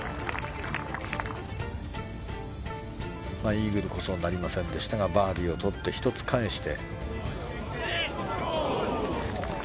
イーグルこそなりませんでしたがバーディーをとって１つ返して。